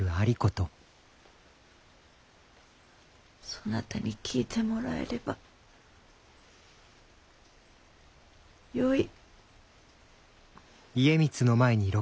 そなたに聞いてもらえればよい。